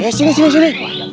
eh sini sini sini